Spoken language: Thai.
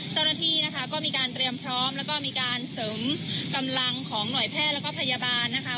เจ้าหน้าที่นะคะก็มีการเตรียมพร้อมแล้วก็มีการเสริมกำลังของหน่วยแพทย์แล้วก็พยาบาลนะคะ